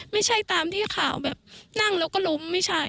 ไม่ใช่ตามที่ข่าวแบบนั่งแล้วก็ล้มไม่ใช่